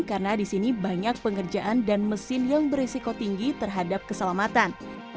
karena di sini banyak pengerjaan dan mesin yang beresiko tinggi terhadap keselamatan